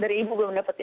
dari ibu belum dapet ya